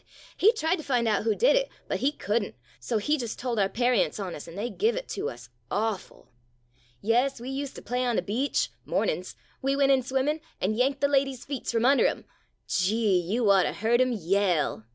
He tried to find who did it, but he could n't, so he just tol' our parients on us, an' they give it to us awful ! Yes, we ust to play on the beach — morn in's. We went in swimmin', an' yanked the ladies' feets frum under 'em. Gee! — you ought to heard 'em yell.